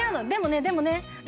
でもねでもね